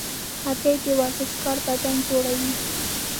هګۍ د ورزشکار بدن جوړوي.